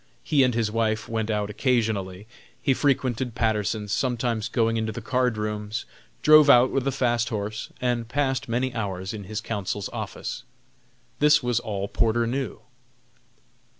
He and his wife went out occasionally. He frequented Patterson's, sometimes going into the card rooms, drove out with a fast horse, and passed many hours in his counsel's office. This was all Porter knew.